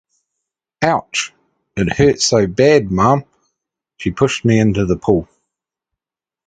Ouch, it hurts so bad, mom! She push me in the pool.